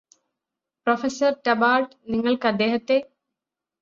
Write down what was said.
professor ടബാര്ഡ് നിങ്ങള്ക്കദ്ദേഹത്തെ